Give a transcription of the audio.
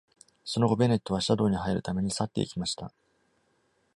その後、ベネットはシャドーに入るために去っていきました。